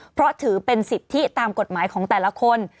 เพราะถือเป็นสิทธิตามกฎหมายของแต่ละคน